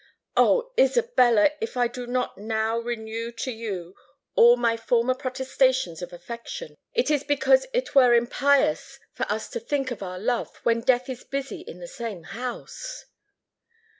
"Oh! Isabella, if I do not now renew to you all my former protestations of affection, it is because it were impious for us to think of our love, when death is busy in the same house."